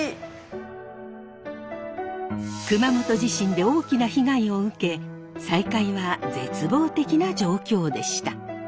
熊本地震で大きな被害を受け再開は絶望的な状況でした。